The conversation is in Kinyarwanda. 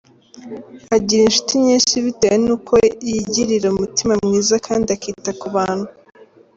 Agira inshuti nyinshi bitewe n’uko yigirira umutima mwiza kandi akita ku bantu.